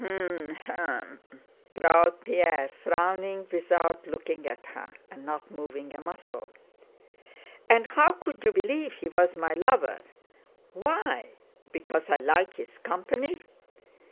"Hm... Hm...!" growled Pierre, frowning without looking at her, and not moving a muscle. "And how could you believe he was my lover? Why? Because I like his company?